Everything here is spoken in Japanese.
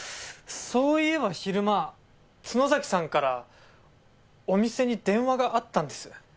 そういえば昼間角崎さんからお店に電話があったんです。